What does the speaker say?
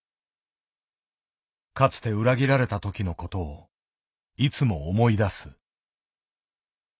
かつて裏切られた時のことをいつも思い出す。